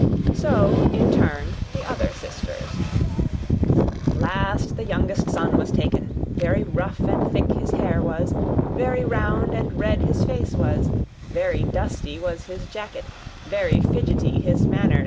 So in turn the other sisters. [Picture: Last, the youngest son was taken] Last, the youngest son was taken: Very rough and thick his hair was, Very round and red his face was, Very dusty was his jacket, Very fidgety his manner.